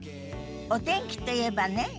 お天気といえばね